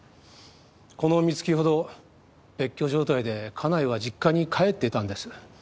この三月ほど別居状態で家内は実家に帰っていたんです。